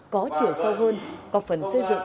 có chiều sâu hơn có phần xây dựng